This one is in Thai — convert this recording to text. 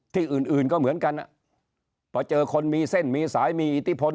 ที่อื่นอื่นก็เหมือนกันพอเจอคนมีเส้นมีสายมีอิทธิพล